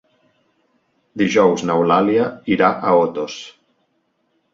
Dijous n'Eulàlia irà a Otos.